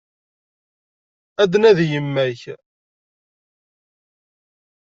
Ad d-nnadi yemma-k.